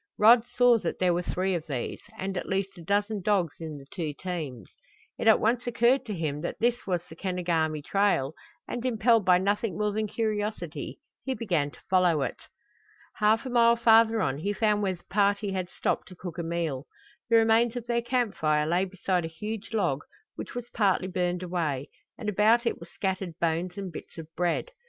Rod saw that there were three of these, and at least a dozen dogs in the two teams. It at once occurred to him that this was the Kenogami trail, and impelled by nothing more than curiosity he began to follow it. Half a mile farther on he found where the party had stopped to cook a meal. The remains of their camp fire lay beside a huge log, which was partly burned away, and about it were scattered bones and bits of bread.